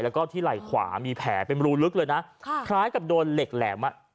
แล้วก็ที่ไหล่ขวามีแผลเป็นรูลึกเลยนะค่ะคล้ายกับโดนเหล็กแหลมอ่ะ